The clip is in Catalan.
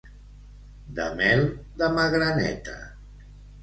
De mel de magraneta.